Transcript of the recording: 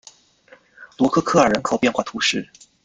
罗科科尔人口变化图示